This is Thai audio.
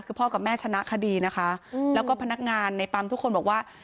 คือพ่อกับแม่ชนะคดีนะคะแล้วก็พนักงานในปั๊มทุกคนบอกว่า